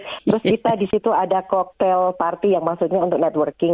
terus kita di situ ada cocktail party yang maksudnya untuk networking